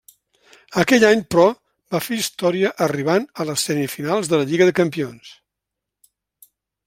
Aquell any però, va fer història arribant a les semifinals de la Lliga de Campions.